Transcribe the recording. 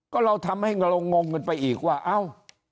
ก็เราทำให้เรางงกันไปอีกว่าเอ้า